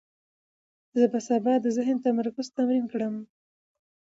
زه به سبا د ذهن تمرکز تمرین کړم.